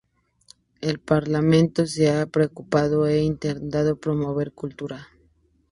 El Parlamento se ha preocupado de intentar promover cultura.